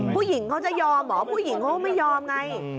ผู้หญิงเขาจะยอมเหรอผู้หญิงเขาก็ไม่ยอมไง